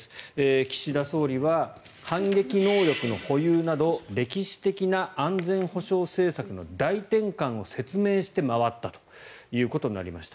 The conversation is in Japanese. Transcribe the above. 岸田総理は反撃能力の保有など歴史的な安全保障政策の大転換を説明して回ったということになりました。